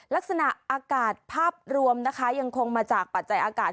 ลักษณะอากาศภาพรวมนะคะยังคงมาจากปัจจัยอากาศ